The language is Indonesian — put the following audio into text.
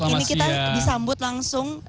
ini kita disambut langsung